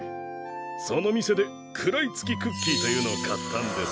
その店で食らいつきクッキーというのを買ったんです。